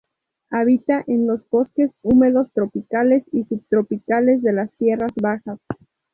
Habita en los bosques húmedos tropicales y subtropicales de las tierras bajas.